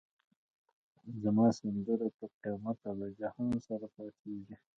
زما سندره تر قیامته له جهان سره پاییږی